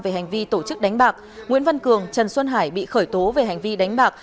về hành vi tổ chức đánh bạc nguyễn văn cường trần xuân hải bị khởi tố về hành vi đánh bạc